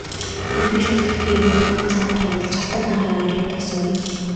Ерөнхий шүүгч гэртээ ирэнгүүт нууцын авдраа уудалж алтан маахайгаа эрээд олсонгүй.